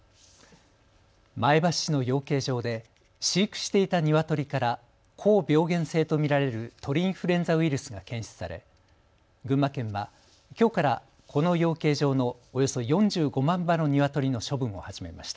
前橋市の養鶏場で飼育していたニワトリから高病原性と見られる鳥インフルエンザウイルスが検出され群馬県はきょうからこの養鶏場のおよそ４５万羽のニワトリの処分を始めました。